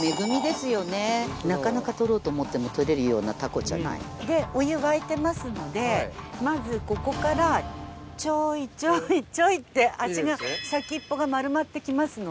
なかなか取ろうと思っても取れるようなタコじゃないでお湯沸いてますのでまず。って足が先っぽが丸まってきますので。